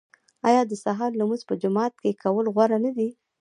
آیا د سهار لمونځ په جومات کې کول غوره نه دي؟